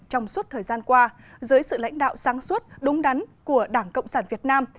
trong suốt thời gian qua dưới sự lãnh đạo sáng suốt đúng đắn của đảng cộng sản việt nam